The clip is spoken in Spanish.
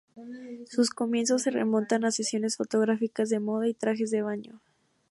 Sus comienzos se remontan a sesiones fotográficas de moda y trajes de baño.